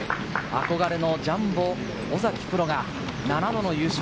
憧れのジャンボ尾崎プロが７度の優勝。